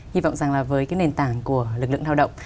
hy vọng rằng là với cái nền tảng của lực lượng lao động